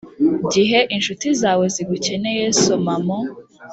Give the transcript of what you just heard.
gihe inshuti zawe zigukeneye Soma mu